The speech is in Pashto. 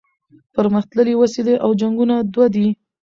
پرمختللي وسلې او جنګونه دوه دي.